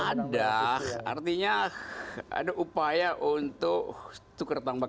ada artinya ada upaya untuk tukar tambah